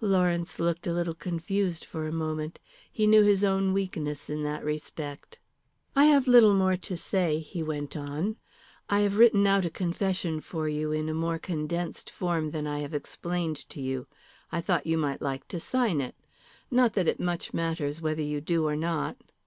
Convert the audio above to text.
Lawrence looked a little confused for a moment. He knew his own weakness in that respect. "I have little more to say," he went on. "I have written out a confession for you in a more condensed form than I have explained to you. I thought that you might like to sign it. Not that it much matters whether you do or not."